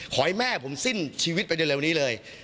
ขอให้แม่ผมสิ้นชีวิตไปเร็วนี้เลย